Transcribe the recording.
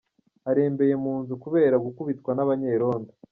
Arembeye mu nzu kubera gukubitwa n’abanyerondo